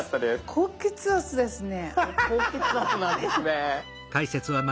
高血圧なんですね。